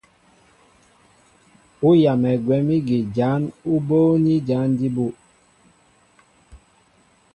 Ú yamɛ gwɛ̌m ígi jǎn ú bóóní jǎn jí bū.